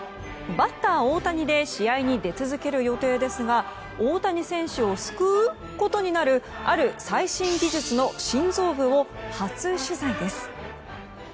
バッター大谷で試合に出続ける予定ですが大谷選手を救うことになるある最新技術の心臓部を初取材です。